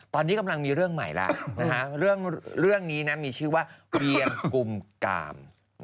ตอนนี้กำลังมีเรื่องใหม่แล้วเรื่องนี้นะมีชื่อว่าเวียงกุมกาม